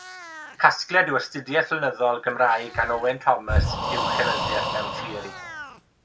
Casgliad o astudiaeth lenyddol, Gymraeg gan Owen Thomas yw Llenyddiaeth Mewn Theori.